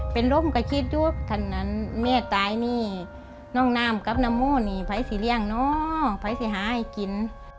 เป็นล้มก็คิดว่าถ้านั้นแม่ตายนี่น้องน้ำกับน้ำโม้นี่ไปสิเรียงเนาะไปสิหาให้กิน